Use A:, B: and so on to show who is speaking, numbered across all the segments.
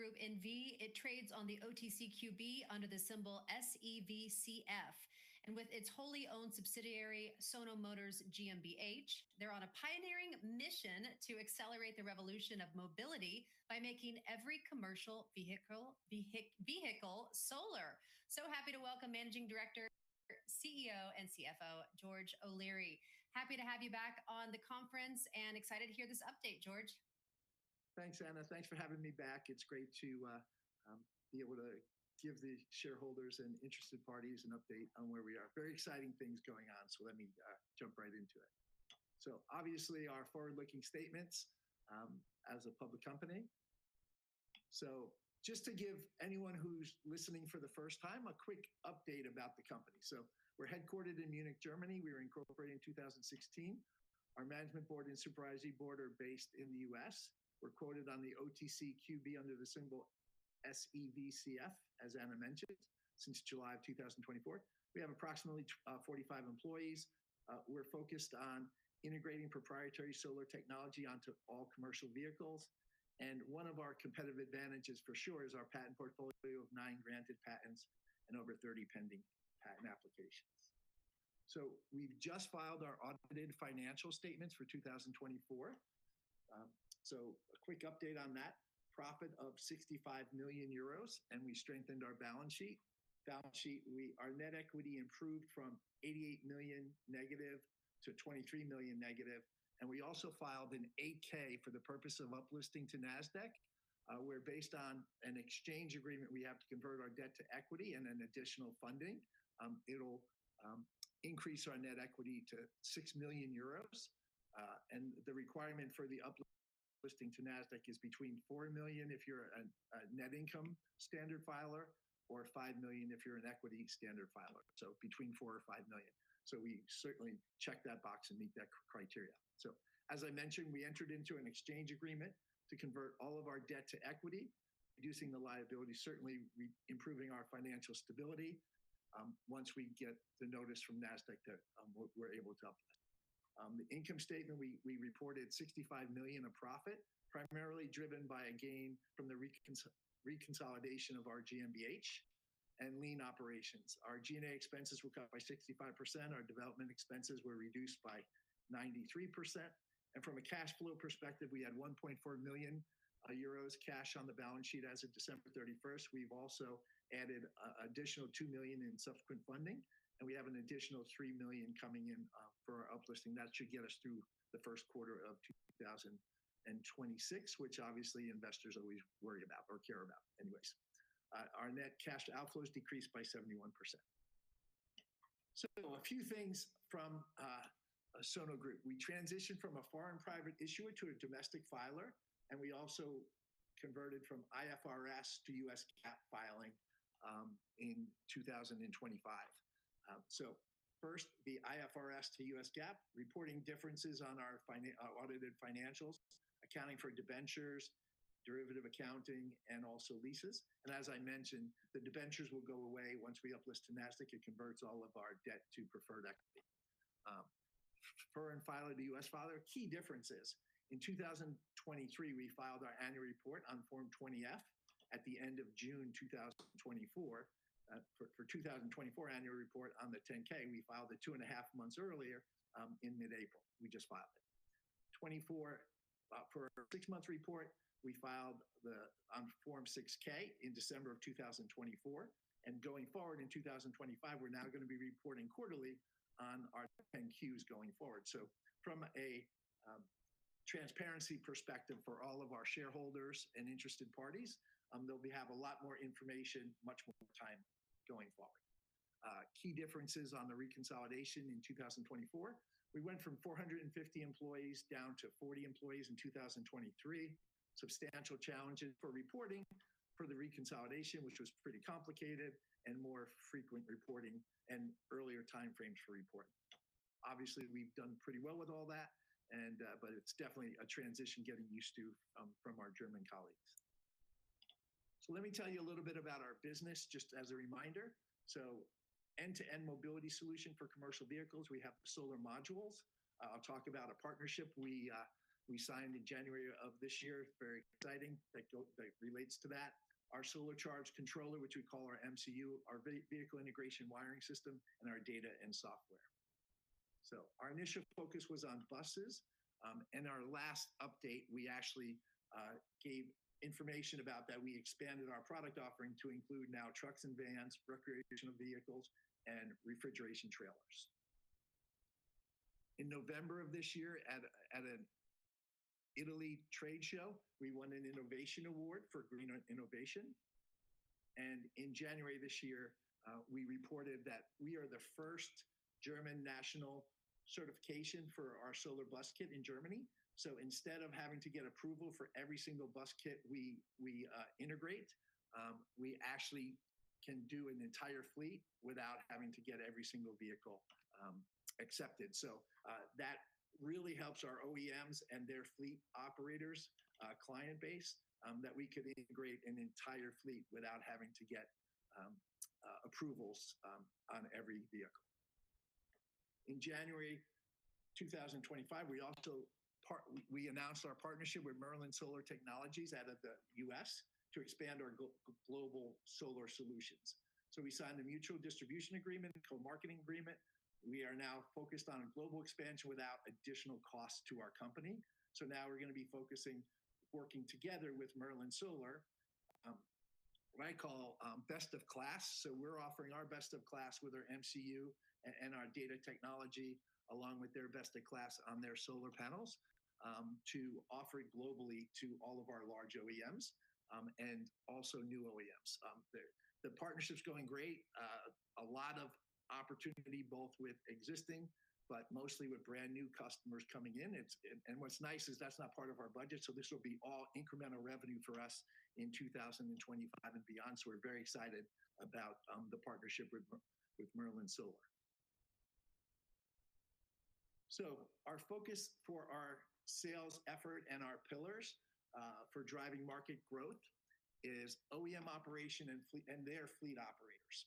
A: Group N.V., it trades on the OTCQB under the symbol SEVCF, and with its wholly-owned subsidiary, Sono Motors GmbH, they're on a pioneering mission to accelerate the revolution of mobility by making every commercial vehicle solar. So happy to welcome Managing Director, CEO, and CFO, George O'Leary. Happy to have you back on the conference and excited to hear this update, George.
B: Thanks, Ana. Thanks for having me back. It's great to be able to give the shareholders and interested parties an update on where we are. Very exciting things going on, so let me jump right into it. Obviously, our forward-looking statements as a public company. Just to give anyone who's listening for the first time a quick update about the company. We're headquartered in Munich, Germany. We were incorporated in 2016. Our management board and supervisory board are based in the U.S. We're quoted on the OTCQB under the symbol SEVCF, as Ana mentioned, since July of 2024. We have approximately 45 employees. We're focused on integrating proprietary solar technology onto all commercial vehicles. One of our competitive advantages, for sure, is our patent portfolio of nine granted patents and over 30 pending patent applications. We've just filed our audited financial statements for 2024. A quick update on that: profit of 65 million euros, and we strengthened our balance sheet. Our net equity improved from 88 million- to 23 million-. We also filed a Form 8-K for the purpose of uplisting to Nasdaq. We're based on an exchange agreement. We have to convert our debt to equity and then additional funding. It'll increase our net equity to 6 million euros. The requirement for the uplisting to Nasdaq is between 4 million if you're a net income standard filer or 5 million if you're an equity standard filer. So between 4 million-5 million. We certainly check that box and meet that criteria. As I mentioned, we entered into an exchange agreement to convert all of our debt to equity, reducing the liability, certainly improving our financial stability once we get the notice from Nasdaq that we're able to uplift. The income statement, we reported 65 million of profit, primarily driven by a gain from the reconsolidation of our GmbH and lean operations. Our G&A expenses were cut by 65%. Our development expenses were reduced by 93%. From a cash flow perspective, we had 1.4 million euros cash on the balance sheet as of December 31st. We have also added an additional 2 million in subsequent funding, and we have an additional 3 million coming in for our uplisting. That should get us through the first quarter of 2026, which obviously investors always worry about or care about anyways. Our net cash outflows decreased by 71%. A few things from Sono Group. We transitioned from a foreign private issuer to a domestic filer, and we also converted from IFRS to U.S. GAAP filing in 2025. First, the IFRS to U.S. GAAP reporting differences on our audited financials, accounting for debentures, derivative accounting, and also leases. As I mentioned, the debentures will go away once we uplist to Nasdaq. It converts all of our debt to preferred equity. Foreign filer to U.S. filer. Key differences. In 2023, we filed our annual report on Form 20-F at the end of June 2024. For 2024 annual report on the Form 10-K, we filed it two and a half months earlier in mid-April. We just filed it. For six-month report, we filed on Form 6-K in December of 2024. Going forward in 2025, we're now going to be reporting quarterly on our Form 10-Qs going forward. From a transparency perspective for all of our shareholders and interested parties, they'll have a lot more information, much more time going forward. Key differences on the reconsolidation in 2024. We went from 450 employees down to 40 employees in 2023. Substantial challenges for reporting for the reconsolidation, which was pretty complicated and more frequent reporting and earlier timeframes for reporting. Obviously, we've done pretty well with all that, but it's definitely a transition getting used to from our German colleagues. Let me tell you a little bit about our business, just as a reminder. End-to-end mobility solution for commercial vehicles. We have solar modules. I'll talk about a partnership we signed in January of this year. It's very exciting. That relates to that. Our solar charge controller, which we call our MCU, our vehicle integration wiring system, and our data and software. Our initial focus was on buses. In our last update, we actually gave information about that we expanded our product offering to include now trucks and vans, recreational vehicles, and refrigeration trailers. In November of this year, at an Italy trade show, we won an innovation award for greener innovation. In January this year, we reported that we are the first German national certification for our Solar Bus Kit in Germany. Instead of having to get approval for every single bus kit we integrate, we actually can do an entire fleet without having to get every single vehicle accepted. That really helps our OEMs and their fleet operators' client base that we could integrate an entire fleet without having to get approvals on every vehicle. In January 2025, we announced our partnership with Merlin Solar Technologies out of the U.S. to expand our global solar solutions. We signed a mutual distribution agreement, co-marketing agreement. We are now focused on global expansion without additional cost to our company. Now we're going to be focusing working together with Merlin Solar, what I call best of class. We're offering our best of class with our MCU and our data technology, along with their best of class on their solar panels, to offer it globally to all of our large OEMs and also new OEMs. The partnership's going great. A lot of opportunity, both with existing, but mostly with brand new customers coming in. What's nice is that's not part of our budget. This will be all incremental revenue for us in 2025 and beyond. We're very excited about the partnership with Merlin Solar. Our focus for our sales effort and our pillars for driving market growth is OEM operation and their fleet operators.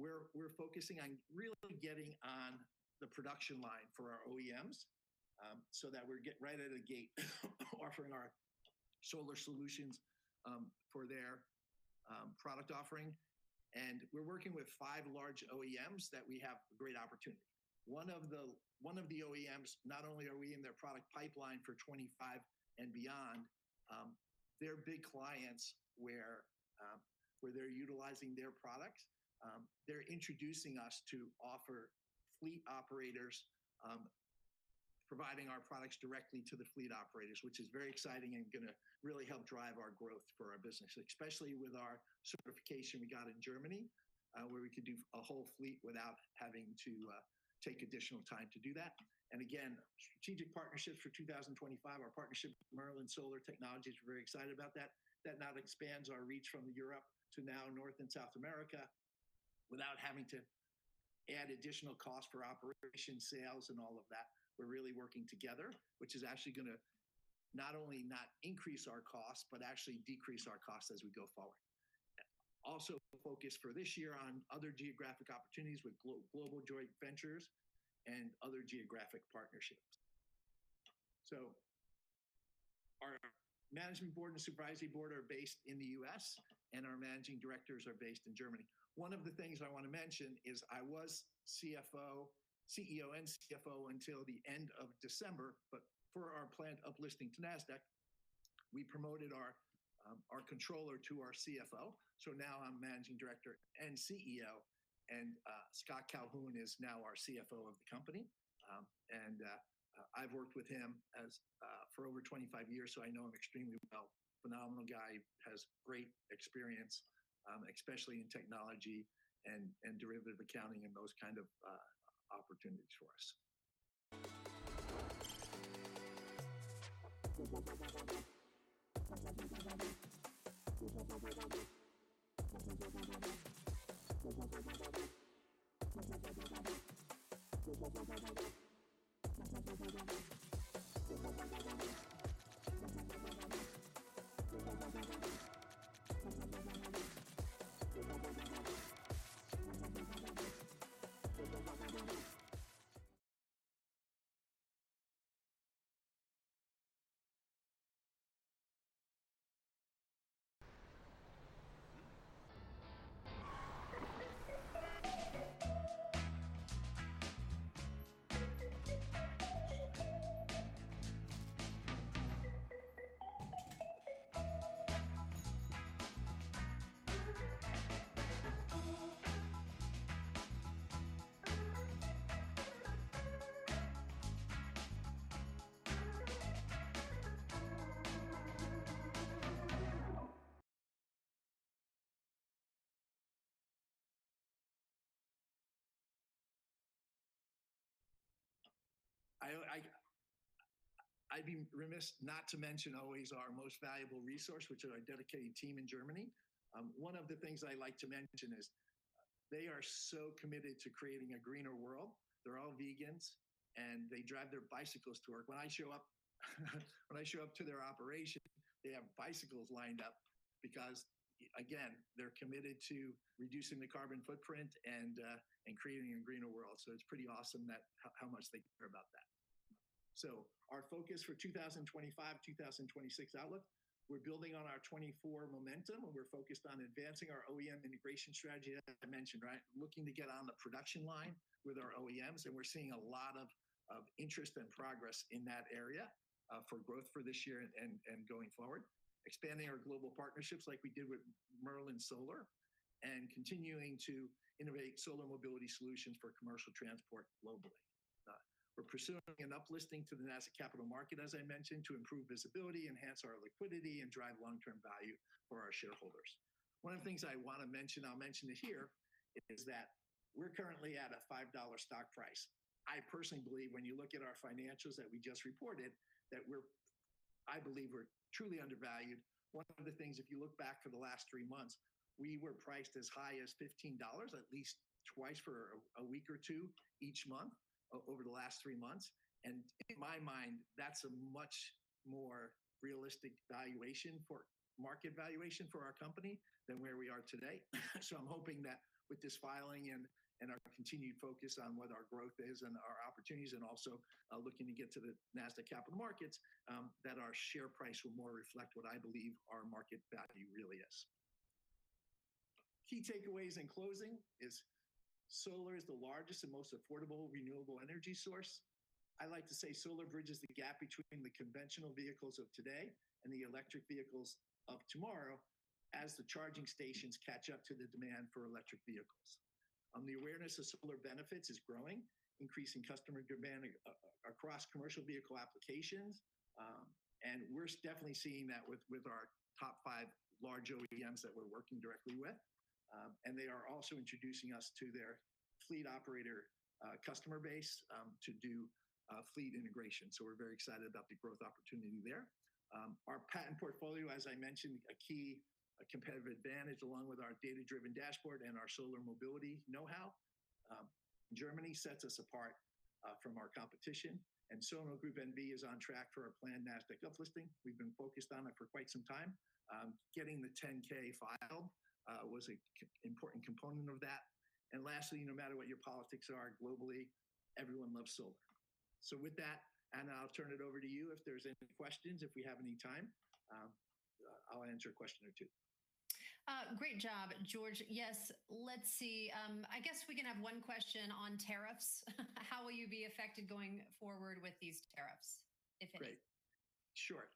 B: We're focusing on really getting on the production line for our OEMs so that we're right at a gate offering our solar solutions for their product offering. We're working with five large OEMs that we have a great opportunity. One of the OEMs, not only are we in their product pipeline for 2025 and beyond, they're big clients where they're utilizing their products. They're introducing us to offer fleet operators, providing our products directly to the fleet operators, which is very exciting and going to really help drive our growth for our business, especially with our certification we got in Germany, where we could do a whole fleet without having to take additional time to do that. Again, strategic partnerships for 2025, our partnership with Merlin Solar Technologies, we're very excited about that. That now expands our reach from Europe to now North and South America without having to add additional costs for operations, sales, and all of that. We're really working together, which is actually going to not only not increase our costs, but actually decrease our costs as we go forward. Also focused for this year on other geographic opportunities with global joint ventures and other geographic partnerships. Our management board and supervisory board are based in the U.S., and our managing directors are based in Germany. One of the things I want to mention is I was CFO, CEO, and CFO until the end of December, but for our planned uplisting to Nasdaq, we promoted our controller to our CFO. Now I'm Managing Director and CEO, and Scott Calhoun is now our CFO of the company. I've worked with him for over 25 years, so I know him extremely well. Phenomenal guy, has great experience, especially in technology and derivative accounting and those kinds of opportunities for us. I'd be remiss not to mention always our most valuable resource, which is our dedicated team in Germany. One of the things I like to mention is they are so committed to creating a greener world. They're all vegans, and they drive their bicycles to work. When I show up to their operation, they have bicycles lined up because, again, they're committed to reducing the carbon footprint and creating a greener world. It's pretty awesome how much they care about that. Our focus for 2025, 2026 outlook, we're building on our 2024 momentum, and we're focused on advancing our OEM integration strategy, as I mentioned, right? Looking to get on the production line with our OEMs, and we're seeing a lot of interest and progress in that area for growth for this year and going forward. Expanding our global partnerships like we did with Merlin Solar and continuing to innovate solar mobility solutions for commercial transport globally. We're pursuing an uplisting to the Nasdaq Capital Market, as I mentioned, to improve visibility, enhance our liquidity, and drive long-term value for our shareholders. One of the things I want to mention, I'll mention it here, is that we're currently at a $5 stock price. I personally believe when you look at our financials that we just reported, that I believe we're truly undervalued. One of the things, if you look back for the last three months, we were priced as high as $15, at least twice for a week or two each month over the last three months. In my mind, that's a much more realistic valuation for market valuation for our company than where we are today. I'm hoping that with this filing and our continued focus on what our growth is and our opportunities, and also looking to get to the Nasdaq capital markets, our share price will more reflect what I believe our market value really is. Key takeaways in closing is solar is the largest and most affordable renewable energy source. I like to say solar bridges the gap between the conventional vehicles of today and the electric vehicles of tomorrow as the charging stations catch up to the demand for electric vehicles. The awareness of solar benefits is growing, increasing customer demand across commercial vehicle applications. We are definitely seeing that with our top five large OEMs that we are working directly with. They are also introducing us to their fleet operator customer base to do fleet integration. We are very excited about the growth opportunity there. Our patent portfolio, as I mentioned, is a key competitive advantage along with our data-driven dashboard and our solar mobility know-how. Germany sets us apart from our competition. Sono Group N.V. is on track for our planned Nasdaq uplisting. We have been focused on it for quite some time. Getting the Form 10-K filed was an important component of that. Lastly, no matter what your politics are globally, everyone loves solar. With that, I will turn it over to you. If there are any questions, if we have any time, I will answer a question or two.
A: Great job, George. Yes, let's see. I guess we can have one question on tariffs. How will you be affected going forward with these tariffs, if any?
B: Great. Sure.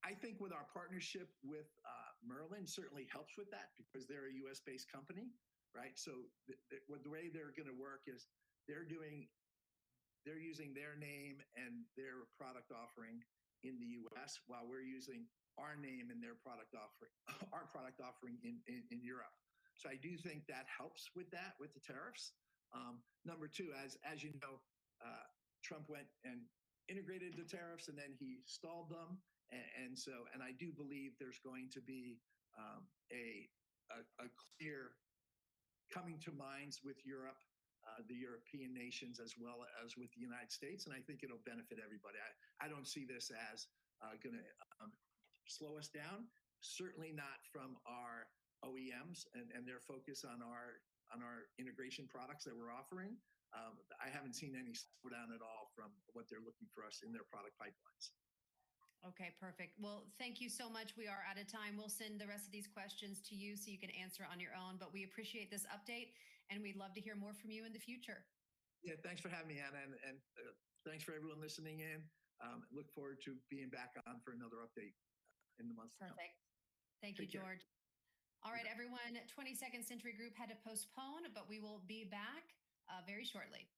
B: I think with our partnership with Merlin, certainly helps with that because they're a U.S.-based company, right? The way they're going to work is they're using their name and their product offering in the U.S. while we're using our name and their product offering in Europe. I do think that helps with that, with the tariffs. Number two, as you know, Trump went and integrated the tariffs, and then he stalled them. I do believe there's going to be a clear coming to minds with Europe, the European nations, as well as with the United States. I think it'll benefit everybody. I don't see this as going to slow us down, certainly not from our OEMs and their focus on our integration products that we're offering. I haven't seen any slowdown at all from what they're looking for us in their product pipelines.
A: Okay, perfect. Thank you so much. We are out of time. We'll send the rest of these questions to you so you can answer on your own. We appreciate this update, and we'd love to hear more from you in the future.
B: Yeah, thanks for having me, Ana, and thanks for everyone listening in. Look forward to being back on for another update in the month to come.
A: Perfect. Thank you, George. All right, everyone. 22nd Century Group had to postpone, but we will be back very shortly.